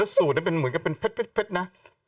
สูตรเหมือนกันเป็นเพชรนะ